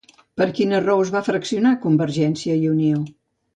Per quina raó es va fraccionar Convergència i Unió?